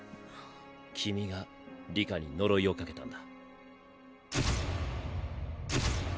君が里香に呪いをかけたんだ。